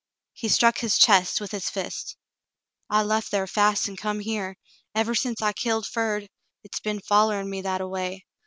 He struck his chest with his fist. "I lef thar fast an' come here. Ever sence I killed Ferd, hit's be'n follerin' me that a way.